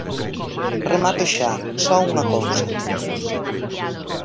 Remato xa, só unha cousa.